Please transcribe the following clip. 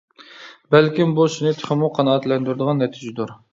بەلكىم بۇ، سېنى تېخىمۇ قانائەتلەندۈرىدىغان نەتىجىدۇر.